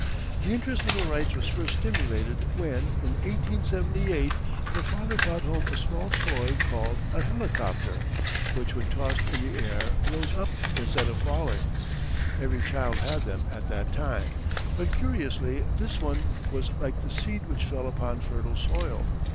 The interest of the Wrights was first stimulated when, in 1878, their father brought home a small toy, called a "helicopter," which when tossed in the air rose up instead of falling. Every child had them at that time, but curiously this one was like the seed which fell upon fertile soil.